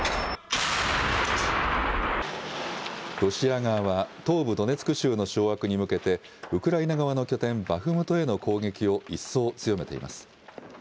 ロシア側は東部ドネツク州の掌握に向けて、ウクライナ側の拠点、バフムトへの攻撃を一層強めています。